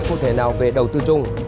cụ thể nào về đầu tư chung